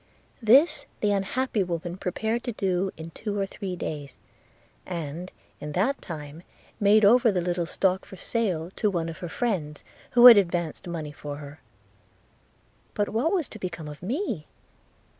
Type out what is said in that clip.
'This the unhappy woman prepared to do in two or three days; and, in that time, made over the little stock for sale to one of her friends, who had advanced money for her. – But what was to become of me?